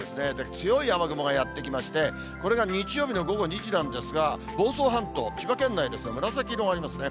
強い雨雲がやって来まして、これが日曜日の午後２時なんですが、房総半島、千葉県内ですね、紫色がありますね。